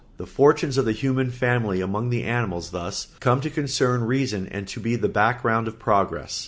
The fortunes of the human family among the animals thus come to concern reason and to be the background of progress.